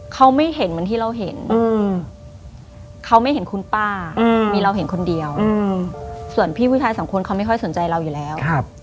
เขาไม่เห็นเหมือนที่เราเห็นเขาไม่เห็นคุณป้ามีเราเห็นคนเดียวส่วนพี่ผู้ชายสองคนเขาไม่ค่อยสนใจเราอยู่แล้ว